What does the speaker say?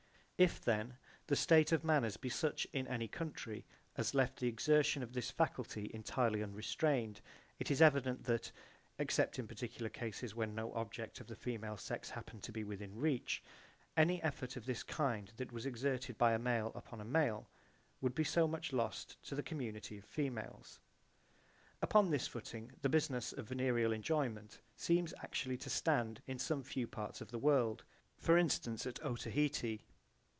If then the state of manners be such in any country as left the exertion of this faculty entirely unrestrained, it is evident that (except in particular cases when no object of the female sex happened to be within reach) any effort of this kind that was exerted by a male upon a male would be so much lost to the community of females. Upon this footing the business of venereal enjoyment seems actually to stand in some few parts of the world, for instance at Otaheite.